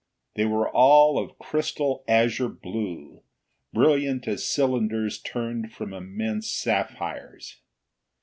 They were all of crystal, azure blue, brilliant as cylinders turned from immense sapphires.